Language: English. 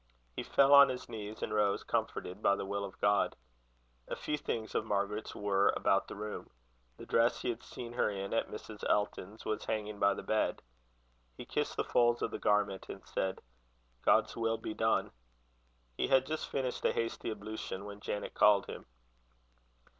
He fell on his knees, and rose comforted by the will of God. A few things of Margaret's were about the room. The dress he had seen her in at Mrs. Elton's, was hanging by the bed. He kissed the folds of the garment, and said: "God's will be done." He had just finished a hasty ablution when Janet called him.